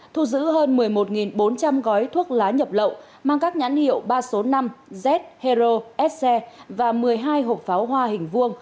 thu giữ hơn một mươi một bốn trăm linh gói thuốc lá nhập lậu mang các nhãn hiệu ba số năm z hero se và một mươi hai hộp pháo